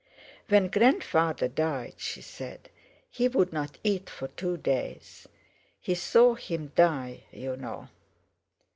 "When grandfather died," she said, "he wouldn't eat for two days. He saw him die, you know."